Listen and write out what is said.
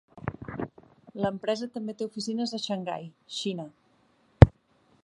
L'empresa també té oficines a Shanghai, Xina.